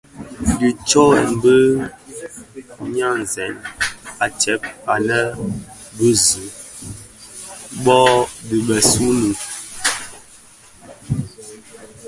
Di tsyoghèn bi nynzèn a tsèb anë a binzi bo dhi binèsun fomin.